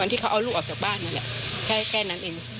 ที่เขาเอาลูกออกจากบ้านนั่นแหละแค่นั้นเอง